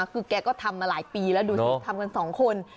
คือแกก็ทำมาหลายปีแล้วน้องทุกคนทำกัน๒คน